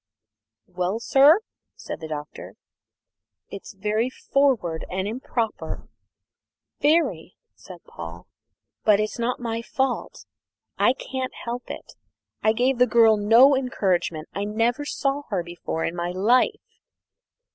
"Well, sir?" said the Doctor. "It's very forward and improper very," said Paul; "but it's not my fault I can't help it. I gave the girl no encouragement. I never saw her before in all my life!"